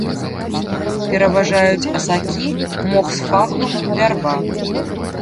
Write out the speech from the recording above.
Пераважаюць асакі, мох сфагнум, вярба.